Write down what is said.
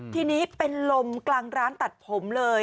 ทีนี้เป็นลมกลางร้านตัดผมเลย